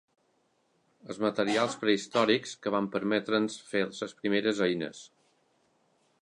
Els materials prehistòrics que van permetre'ns fer les primeres eines.